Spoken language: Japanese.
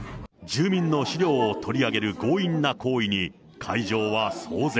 住民の資料を取り上げる強引な行為に、会場は騒然。